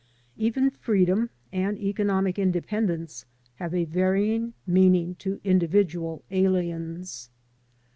Even freedom and economic independence have a varying meaning to individual aliens.